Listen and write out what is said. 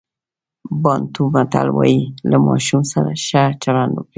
بانټو متل وایي له ماشوم سره ښه چلند وکړئ.